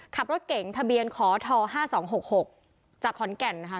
ขับรถเก่งทะเบียนขอท๕๒๖๖จากขอนแก่นนะคะ